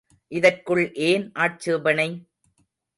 இதற்கு ஏன் ஆட்சேபணை?